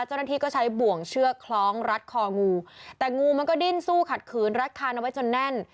เจ้าหน้าที่ก็ใช้บ่วงเชือกคล้องรัดคองูแต่งูมันก็ดิ้นสู้ขัดขืนรัดคานเอาไว้จนแน่น